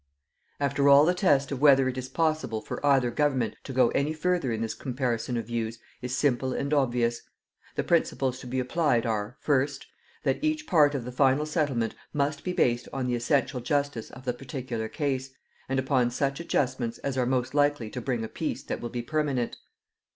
"After all the test of whether it is possible for either Government to go any further in this comparison of views is simple and obvious. The principles to be applied are: "First, that each part of the final settlement must be based on the essential justice of the particular case, and upon such adjustments as are most likely to bring a peace that will be permanent.